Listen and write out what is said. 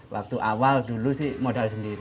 waktu awal dulu sih modal sendiri